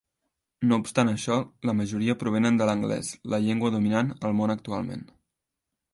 No obstant això, la majoria provenen de l'anglès, la llengua dominant al món actualment.